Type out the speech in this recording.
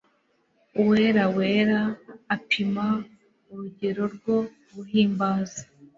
Uwera wera apima urugero rwo guhimbaza